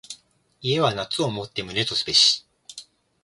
家は夏をもって旨とすべし。